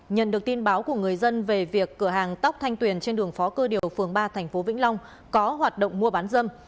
nhận được tin báo của người dân về việc cửa hàng tóc thanh tuyền trên đường phó cơ điều phường ba tp vĩnh long có hoạt động mua bán dâm